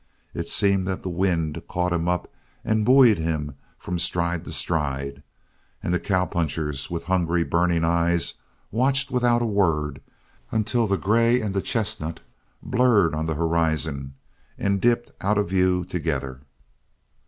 It seemed that the wind caught him up and buoyed him from stride to stride, and the cowpunchers with hungry, burning eyes watched without a word until the grey and the chestnut blurred on the horizon and dipped out of view together.